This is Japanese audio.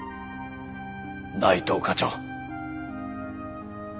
内藤課長。